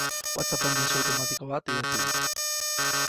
WhatsApp-en mezu automatiko bat idatzi dut.